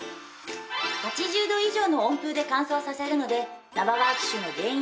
８０度以上の温風で乾燥させるので生乾き臭の原因